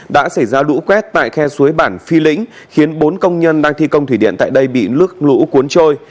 đã xảy ra lũ quét tại khe suối bản phi lĩnh khiến bốn công nhân đang thi công thủy điện tại đây bị nước lũ cuốn trôi